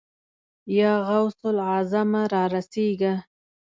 يا غوث الاعظمه! را رسېږه.